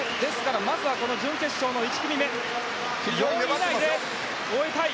まずは、この準決勝の１組目４位以内で終えたい。